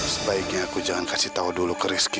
sebaiknya aku jangan kasih tahu dulu ke rizky